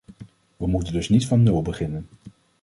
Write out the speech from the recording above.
We moeten dus niet van nul beginnen.